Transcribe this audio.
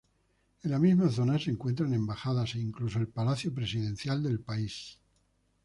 En la misma zona se encuentran embajadas e incluso el palacio presidencial del país.